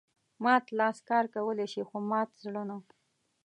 مات لاس کار کولای شي خو مات زړه نه.